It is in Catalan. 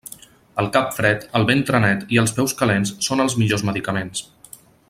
El cap fred, el ventre net i els peus calents són els millors medicaments.